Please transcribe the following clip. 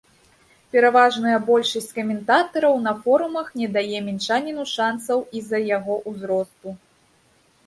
Пераважная большасць каментатараў на форумах не дае мінчаніну шанцаў і з-за яго ўзросту.